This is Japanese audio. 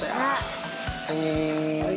はい。